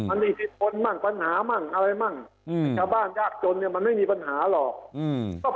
อันนี้สิทธนมั่งปัญหามั่งอะไรมั่งชาวบ้านยากจนเนี่ยมันไม่มีปัญหาหรอก